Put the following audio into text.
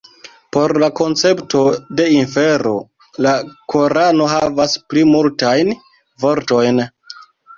Por la koncepto de infero la korano havas pli multajn vortojn.